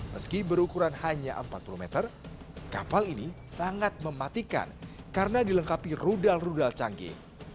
meski berukuran hanya empat puluh meter kapal ini sangat mematikan karena dilengkapi rudal rudal canggih